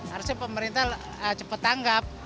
harusnya pemerintah cepat tangkap